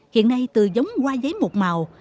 hiện nay từ giống hoa giấy một màu